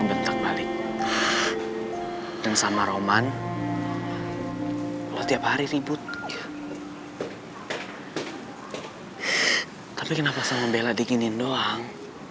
minta balik dan sama roman lo tiap hari ribut tapi kenapa sama bella dikinin doang